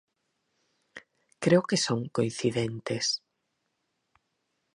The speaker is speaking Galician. Creo que son coincidentes.